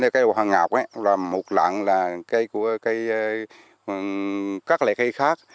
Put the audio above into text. cây hoàn ngọc là một lạng là cây của các loại cây khác